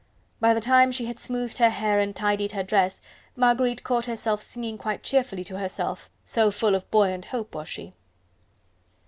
By the time she had smoothed her hair and tidied her dress, Marguerite caught herself singing quite cheerfully to herself. So full of buoyant hope was she.